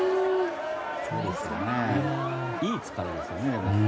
いい疲れですよね、でも。